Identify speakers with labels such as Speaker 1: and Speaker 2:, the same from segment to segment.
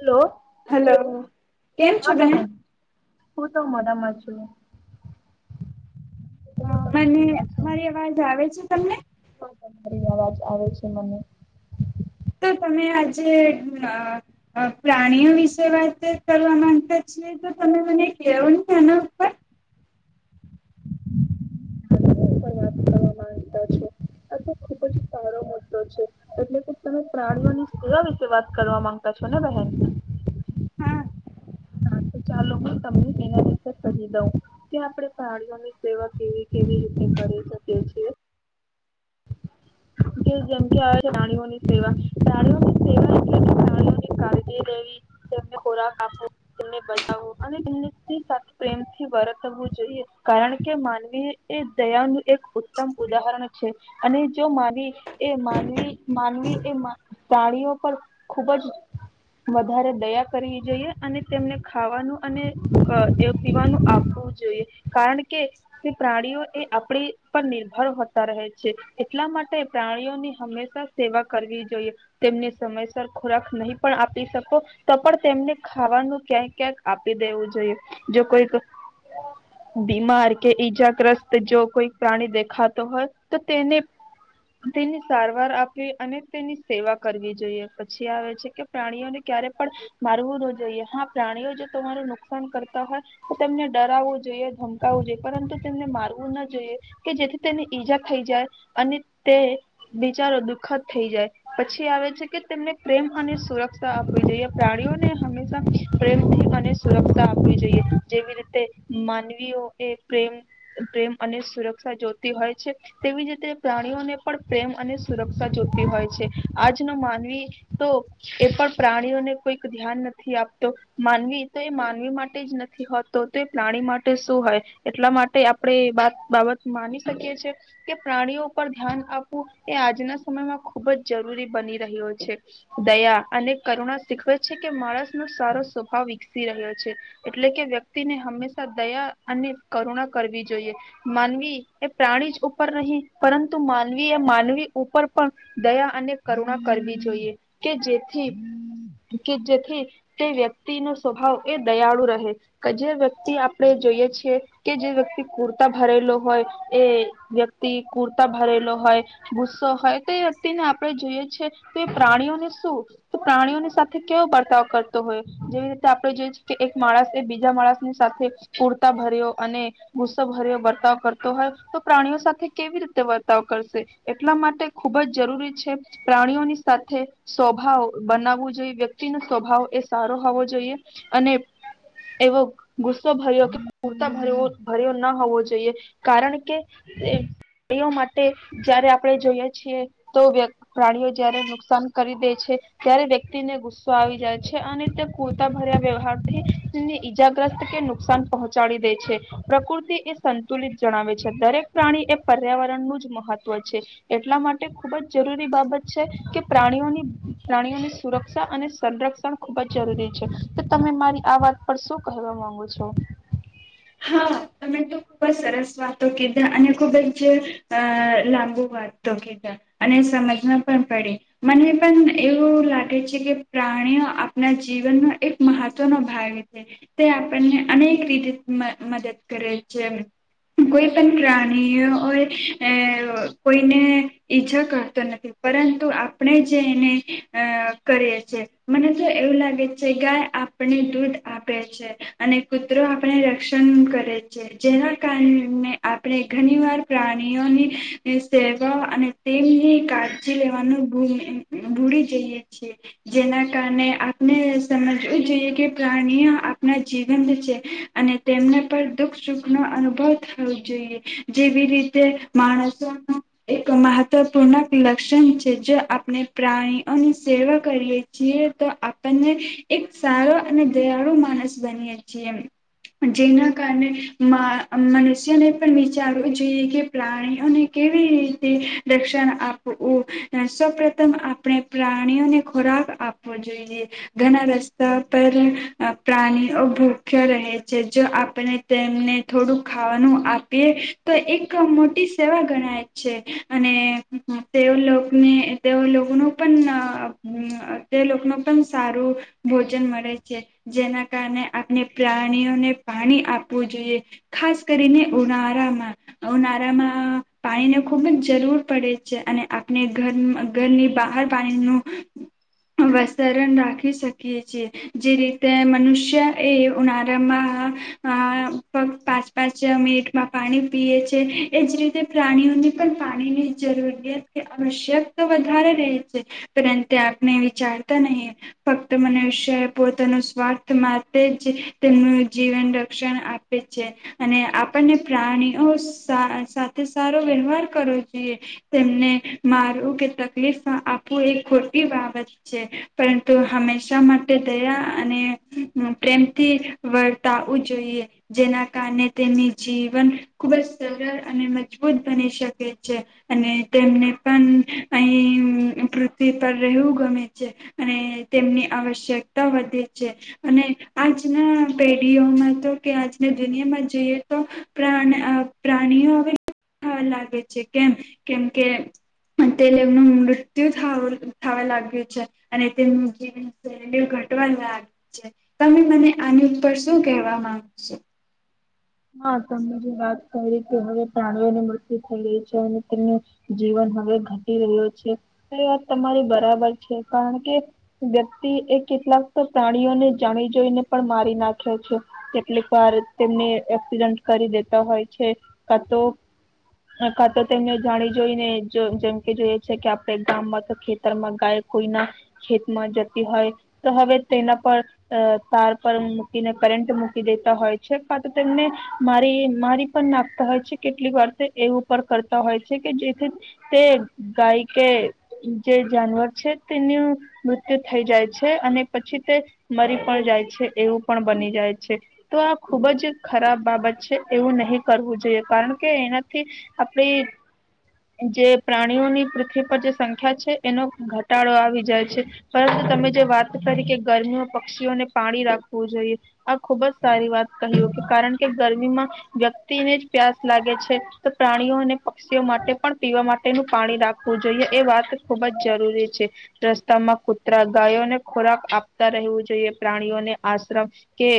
Speaker 1: Hello
Speaker 2: hello. કેમ છો બહેન?
Speaker 1: હું તો મોડામાં છું. હું
Speaker 2: અ
Speaker 1: તમે
Speaker 2: મને,
Speaker 1: કેવા છો
Speaker 2: મારી અવાજ આવે છે તમને?
Speaker 1: હા તમારી અવાજ આવે છે મને.
Speaker 2: તો તમે આજે અ અ પ્રાણીઓ વિશે વાત કરવા માંગતા છીએ. તો તમે મને કેવો ને એના ઉપર.
Speaker 1: [unintelligible] વાત કરવા માંગતા છો. આ તો ખુબ જ સારો મુદ્દો છે. એટલે કે તમે પ્રાણીઓની સેવા વિશે વાત કરવા માંગતા છો ને બહેન?
Speaker 2: હા
Speaker 1: હા તો ચાલો હું તમને એના રીતે કરી દઉં કે આપણે પ્રાણીઓની સેવા કેવી કેવી રીતે કે જેમ કે આવે છે પ્રણીઓની સેવા પ્રણીઓની સેવા એટલે પ્રણીઓની [inaudible] તેમને ખોરાક આપવો તેમને બચાવો અને તેમ પ્રેમથી વર્તવું જોઈએ કારણ કે માનવી એ દયાનું એક ઉત્તમ ઉદાહરણ છે અને જો માવી એ માનવી માનવી એ પ્રાણીઓ પર ખુબ જ વધારે દયા કરવી જોઈએ અને તેમને ખાવાનું અને પીવાનું આપવું જોઈએ કારણ કે તે પ્રાણીઓ એ આપણી પર નિર્ભર હોતા રહે છે એટલા માટે પ્રાણીઓની હંમેશા સેવા કરવી જોઈએ તેમને સમયસર ખોરાક નહી પણ આપી શકો તો પણ તેમને ખાવાનું ક્યાંક ક્યાંક આપી દેવું જોઈએ જો કોઈક બીમાર કે ઈજાગ્રસ્ત જો કોઈ પ્રાણી દેખાતો હોય તો તેને તેની સારવાર આપવી અને તેની સેવા કરવી જોઈએ પછી આવે છે કે પ્રાણીઓને ક્યારે પણ મારવું ન જોઈએ હા પ્રાણીઓ જો તમારું નુકસાન કરતા હોય તો તેમને ડરાવવું જોઈએ ધમકાવવું જોઈએ પરંતુ તેમને મારું એવું ના જોઈએ કે જેથી તેને ઈજા થઈ જાય અને તે બિચારો દુખદ થઈ જાય પછી આવે છે કે તેમને પ્રેમ અને સુરક્ષા જોઈએ પ્રાણીઓને હંમેશા પ્રેમથી અને સુરક્ષા આપવી જોઈએ જેવી રીતે માનવીઓ એ પ્રેમ અને સુરક્ષા જોઇતી હોય છે, પ્રેમ અને સુરક્ષા જોતી હોય છે તેવી જ રીતે પ્રાણીઓને પણ પ્રેમ અને સુરક્ષા જોતી હોય છે આજનો માનવી તો એ પણ પ્રાણીઓને કોઈક ધ્યાન નથી આપતો માનવી તો એ માનવી માટે એજ નથી હોતો તે પ્રાણી માટે શું હોય એટલા માટે આપણે એત બાબત માની શકીએ છીએ કે પ્રાણીઓ ઉપર ધ્યાન આપવું એ આજના સમયમાં ખુબ જ જરૂરી બની રહ્યો છે દયા અને કરુણા શીખવે છે કે માણસનોો સારો સ્વભાવ વિકસી રહ્યો છે એટલે કે વ્યક્તિને હંમેશા દયા અને કરુણા કરવી જો જોઇએ માનવી એ પ્રાણી જ ઉપર નહી પરંતુ માનવી એ માનવી ઉપર પણ દયા અને કરુણા કરવી જોઈએ કે જેથી કે જેથી તે વ્યક્તિ નો સ્વભાવ એ દયાળુ રહે કે જે વ્યક્તિ આપણે જોઈએ છીએ કે જે વ્યક્તિ કુર્તા ભરેલો હોય એ વ્યક્તિ કુર્તા ભરેલો હોય ગુસ્સો હોય તે વયક્તિને આપણે જોઈએ છે તો એ પ્રાણીઓને શું પ્રાણીઓની સાથે કેવો બર્તાવ કરતો હોય જેવી રીતે આપણે જોઈ કે એક માણસ એ બીજા માણસ ની સાથે કુર્તા ભર્યો અને ગુસ્સો ભર્યો વર્તાવ કરતો હોય તો પ્રાણીઓ સાથે કેવી રીતે વર્તાવ કરશે એટલા માટે ખૂબ જ જરૂરી છે પ્રાણીઓની સાથે સ્વભાવ બનાવવો જોઈએ વ્યક્તિ ન સ્વભાવ એ સારો હોવો જોઈએ અને એવો ગુસ્સો ભર્યો કે પૂરતા ભર્યો ભર્યો ના હોવો જોઈએ કારણ કે પ્રાણીઓ માટે જયારે આપણે જોઈએ છીએ તો પ્રાણીઓ જયારે નુકસાન કરી દે છે ત્યારે વ્યક્તિને ગુસ્સો આવી જાય છે અને તે કૂરતા ભર્યા વ્યવહાર થીને ઈજાગ્રસ્ત કે નુકસાન પહોંચાડી દે છે પ્રકૃતિ એ સંતુલિત જણાવે છે દરેક પ્રાણી એ પર્યાવરણનું જ મહત્વ છે એટલા માટે ખૂબ જ જરૂરી બાબત છે કે પ્રાણીઓની પ્રાણીઓની સુરક્ષા અને સંરક્ષણ ખુબ જ જરૂરી છે તો તમે મારી આ વાત પર શું કહેવા માંગો છો?
Speaker 2: હા તમે તો ખૂબ જ સરસ વાતો કીધા અને ખુબ જ અ લાંબુ વાતો કીધા અને સમજમાં પણ પડી મને પણ એવું લાગે છે કે પ્રાણીઓ આપણા જીવનનો એક મહત્વનો ભાગ છે તે આપણને અનેક રીતે મદદ કરે છે કોઈ પણ પ્રાણીઓ કોઈને ઈજા કરતો નથી પરંતુ આપણે જે એને અ કરીએ છેએ મને તો એવું લાગે છે ગાય આપણે દૂધ આપે છે અને કૂતરો રક્ષ કરે છે જેના કારણે આપણે ઘણી વાર પ્રાણીઓની સેવા અને તેમની કાળજી લેવાનું ભૂલી જઈએ છીએ જેના કારણે આપણે સમજવું જોઈએ કે પ્રાણીઓ આપણા જીવન છે. અને તેમને પર દુખ સુખ નો અનુભવ થવો જોઈએ જેવી રીતે માણસોનું એક મહત્વપૂર્ણક લક્ષણ છે જો આપણે પ્રાણીઓની સેવા કરીએ છીએ તો આપણને એક સારો અને દયાળુ માણસ બનીએ છીએ. જેના કારણે મનુષ્યને પણ વિચારવું જોઈએ કે પ્રાણીઓને કેવી રીતે રક્ષણ આપવું સૌપથમ આપણે પ્રાણીઓને ખોરાક આપવો જોઈએ ઘણા રસ્તા પર પ્રાણીઓ ભૂખ્ય રહે. જો આપને તેમને થોડું ખાવાનું આપીએ તો એક મોટી સેવા ગણાય છે અને તેને તે લોકોનું પણ તે લોકોનું પણ સારું ભોજન મળે છે જેના કારણે આપણે પ્રાણ ણીને પાણી આપવું જોઈએ ખાસ કરીને ઉનાળામાં ઉનાળામાં પાણીને ખુબ જ જરૂર પડે છે અને આપણે ઘર ઘરની બહાર પાણી નું વસારણ રાખી શકીએ છીએ જે રીતે મનુષ્ય એ ઉનાળા ફક્ત પાંચ પાંચ મિનિટમાં પાણી પીએ છે એજ રીતે પ્રાણીઓની પણ પાણીની જરૂરિયાત કે આવશ્યક તો વધારે રહે છે પરંતુ આપને વિચારતા નહી ફક્ત મનુષ્ય પોતાનું સ્વાર્થ માટે જ જીવન રક્ષણ આપે છે અને આપણને પ્રાણીઓ સાથે સારો વ્યવહાર કરવો જોઈએ તેમને મારવું કે તકલીફ આપવું એ ખોટી બાબત છે પરંતુ હંમેશા માટે દયા અને પ્રેમથી વર્તાવું જોઈએ જેના કારણે તેમની જીવન ખુબ જ સરળ અને મજબૂત બની શકે છે અને તેમને પણ અહી પૃથ્વી પર રહેવું ગમે છે અને તેમની આવશ્યકતા વધે છે અને આજના પેઢીઓમાં તો કે આજની દુનિયામાં જોઈએ તો પ્રા પ્રાણીઓ હવે થવા લાગે છે કેમ કેમ કે તેનું મૃત્યુ થવા લાગ્યું છે અને તેમનું જીવન શૈલીઓ ઘટવા લાગી છે તમે મને આની પર શું કહેવા માંગુ છું.
Speaker 1: હા તમમે જે વાત કરી કે હવે પ્રાણીઓને મૃત્યુ થઈ રહી છે અને તેમનું જીવન હવે ઘટી રહ્યું છે એ વાત તમારી બરાબર છે કારણ કે વ્યક્તિ એ કેટલાક તો પ્રાણીઓને જાણી જોઈને પણ મારી નાખ્યો છે કેટલીક વાર તેમને એક્સિડન્ટ કરી દેતા હોય છે કા તો કા તો તેમને જાણી જોઈને જેમકે જોઈએ છે કે આપણે ગામમાં તો ખેતરમાં ગાય કોઈના ખેતમાં જતી હોય તો હવે તેના પર તાર પર મૂકીને કરન્ટ મૂકી દેતા હોય છે કા તો તેમને મારી મારી પણ નાખતા હોય છે કેટલીક વાર એવું પણ કરતા હોય છે કે જેથી તે ગાય કે જે જાનવર છે તેનું મૃત્યુ થઈ જાય છે અને પછી તે મરી પણ જાય છે એવું પણ બની જાય છે તો આ ખુબ જ ખરાબ બાબત છે એવું નહી કરવું જોઈએ કારણ કે એના આપડી જે પ્રાણીઓની પૃથ્વી પર જે સંખ્યા છે એનો ઘટાડો આવી જાય છે પરંતુ તમે જે વાત કરી કે ગરમીમાં પક્ષીઓને પાણી રાખવું જોઈએ આ ખુબ જ સારી વાત કહ કારણ કે ગરમીમાં વ્યક્તિને જ પ્યાસ લાગે છે. તો પ્રાણીઓ અને પક્ષીઓ માટે પણ પીવા માટેનું પાણી રાખવું જોઈએ એ વાત ખુબ જ જરૂરી છે રસ્તામાં કુતરા ગાયોને ખોરાક આપતા રહેવું જોઈએ પ્રાણીઓને આશ્રમ કે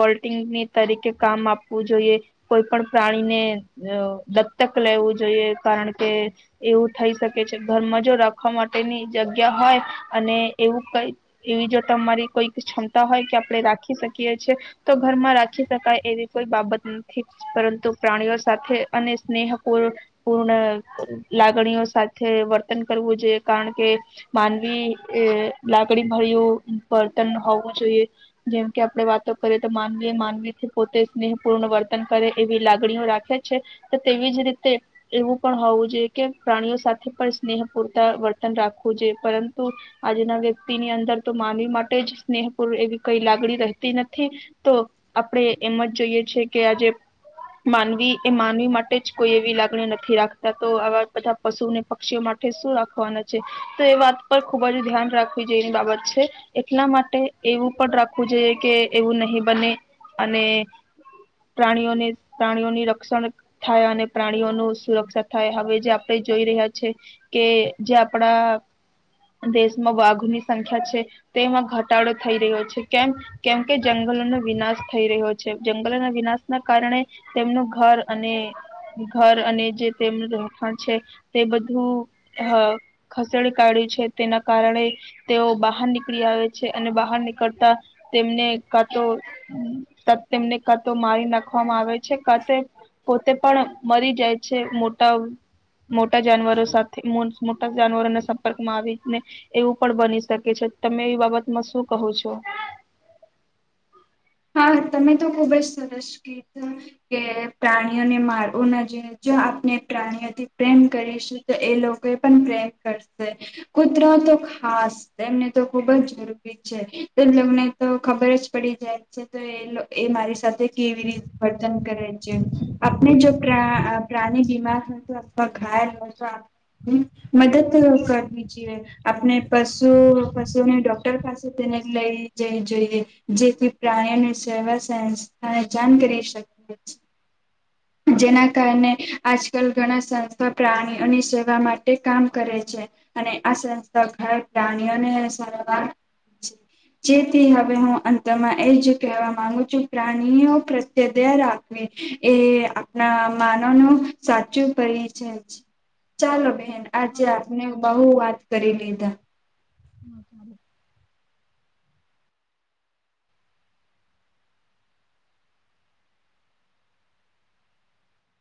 Speaker 1: વોલ્ટિંગની તરીકે કામ આપવું જોઈએ કોઈ પણ પ્રાણીને અ દત્તક લેવું જોઈએ કારણ કે એવું થઈ શકે છે ઘરમાં જો રાખવા માટેની જગ્યા હોય અને એવું કઈ એવી જો તમારી કોઈક ક્ષમતા હોય કે આપણે રાખી શકીએ છે તો ઘરમાં રાખી શકાય એવી કોઈ બાબત નથી પરંતુ પ્રાણીઓ સાથે અને સ્નેહપૂ પૂર્ણ લાગણીઓ સાથે વર્તન કરવું જોઈએ કારણ કે માનવી એ લાગણી ભરય્યું વર્તન હોવું જોઈએ જેમકે આપડે વાતો કરીએ તો માનવી માનવીથી પોતે સ્નેહપૂર્ણ વર્તન કરે એવી લાગણીઓ રાખે. તેવી જ રીતે એવું પણ હોવું જોઈએ કે પ્રાણીઓ સાથે પણ સ્નેહ પૂરતા વર્તન રાખવું જોઈએ પરંતુ આજના વ્યક્તિની અંદર તો માનવી માટે જ સ્નેહ પૂર એવી કઈ લાગણી રહેતી નથી તો આપણે એમ જ જોઈએ છે કે આજે માનવી એ માનવી માટે જ કોઈ એવી લાગણી નથી રાખતા તો આવા બધા પશુને પક્ષીઓ માટે શું રાખવાના છે તો એ વાત પર ખૂબ જ ધ્યાન રાખવી જોઈ એની બાબત છે એટલા માટે એવું પણ રાખવું જોઈએ કે એવું નહીં બને અને પ્રાણીઓને પ્રાણીઓની. [inaudible] અને પ્રાણીઓનું સુરક્ષા થાય હવે જે આપણે જોઈ રહ્યા છે કે જે આપણા દેશમાં વાઘોની સંખ્યા છે તેમાં ઘટાડો થઈ રહ્યો છે કેમ કેમ કે જંગલોનો વિનાશ થઈ રહ્યો છે જંગલોના વિનાશ ના કારણે તેમનું. ઘર અને ઘર અને જે તેમનું રહેઠાણ છે તે બધું. હા. જળ કાઢ્યું છે તેના કારણે તેઓ બહાર નીકળી આવે છે અને બહાર નીકળતા તેમને કાતો તેમને કાતો મારી નાખવામાં આવે. છે કાતે પોતે પણ મરી જાય છે મોટા મોટા જાનવરો સાથે મોટા જાનવરોના સંપર્કમાં આવીને એવું પણ બની શકે છે તમે એ બાબતમાં શું કહો છો.
Speaker 2: હા તમે તો ખુબ જ સરસ કીધું કે પ્રાણીઓને મારવું ન જોઈએ જો આપણે પ્રાણીઓથી પ્રેમ કરીશું તો એ લોકો પણ પ્રેમ કરશે કુતરા તો ખાસ એમને તો ખુબ જ જરૂરી છે એને તો ખબર જ પડી જાય. એ મારી સાથે કેવી રીતે વર્તન કરે છે આપણે જો પ્રાણી બીમાર હોય તો અથવા ઘાયલ હોય તો મદદ કરવી જોઈએ આપણે પશુ પશુને ડોક્ટર પાસે તેને લઈ જવી જોઈએ જેથી. પ્રાણીઓની સેવા સંસ્થાને જાણ કરી શકે. જેના કારણે આજકાલ ઘણા સંસ્થા પ્રાણીઓની સેવા માટે કામ કરે છે અને આ સંસ્થા ઘ પ્રાણીઓને સારવાર જેથી હવે હું અંતમાં એ જ કહેવા માંગુ છું પ્રાણીઓ પ્રત્યધ રાખવી એ. આપણા માનવ ન સાચું કરી છે ચાલો. આજે
Speaker 1: હા
Speaker 2: આપને બહુ વાત કરી લીધા.
Speaker 1: હા સારું.